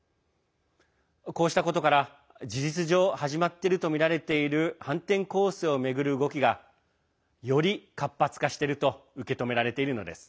こうしたことから、事実上始まっているとみられている反転攻勢を巡る動きがより活発化していると受け止められているのです。